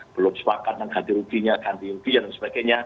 belum sepakat dengan ganti ruginya ganti rugi dan sebagainya